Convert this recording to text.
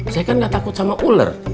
saya kan gak takut sama ular